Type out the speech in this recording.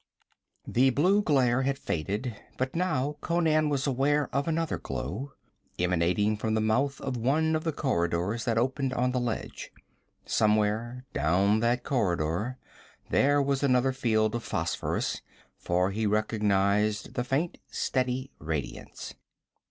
The blue glare had faded, but now Conan was aware of another glow, emanating from the mouth of one of the corridors that opened on the ledge. Somewhere down that corridor there was another field of phosphorus, for he recognized the faint steady radiance.